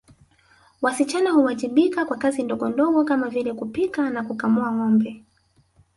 Wasichana huwajibika kwa kazi ndogondogo kama vile kupika na kukamua ngombe